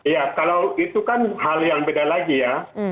ya kalau itu kan hal yang beda lagi ya